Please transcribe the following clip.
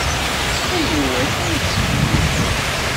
Ttxil-wen, ur ttkeyyifet.